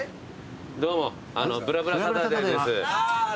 どうも『ぶらぶらサタデー』です。